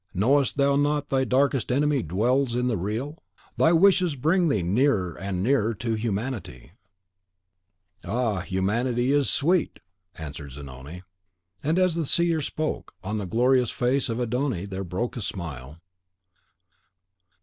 Knowest thou not that thy darkest enemy dwells in the Real? Thy wishes bring thee near and nearer to humanity." "Ah, humanity is sweet!" answered Zanoni. And as the seer spoke, on the glorious face of Adon Ai there broke a smile.